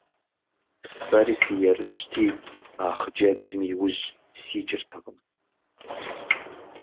Сэри сыерыщти, а хъыджэбзым и ужь сикӀыртэкъым.